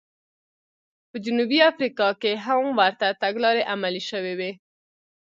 په جنوبي افریقا کې هم ورته تګلارې عملي شوې وې.